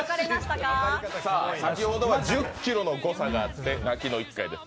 先ほどは１０ｋｇの誤差があって泣きの１回です。